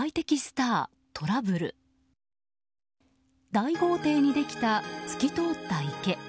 大豪邸にできた透き通った池。